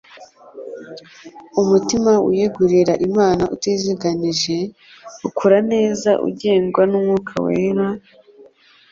Umutima wiyegurira Imana utiziganije, ukura neza ugengwa n'Umwuka Wera,